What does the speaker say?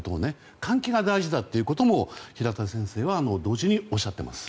換気が大事だということも平田先生は同時におっしゃっています。